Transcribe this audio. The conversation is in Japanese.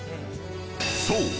［そう。